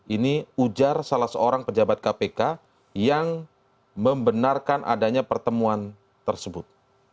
ini ujar salah seorang pejabat kpk yang membenarkan adanya pertemuan tersebut